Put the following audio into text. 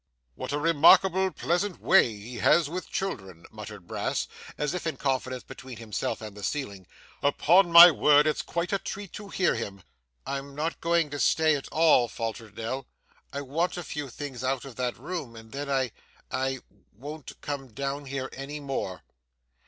'What a remarkable pleasant way he has with children!' muttered Brass, as if in confidence between himself and the ceiling; 'upon my word it's quite a treat to hear him.' 'I'm not going to stay at all,' faltered Nell. 'I want a few things out of that room, and then I I won't come down here any more.